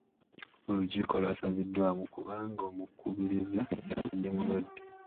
Olukiiko lwasazidwamu kubanga omukubiriza yabadde mulwadde.